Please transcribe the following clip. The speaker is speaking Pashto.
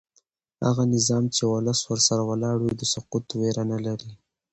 هغه نظام چې ولس ورسره ولاړ وي د سقوط ویره نه لري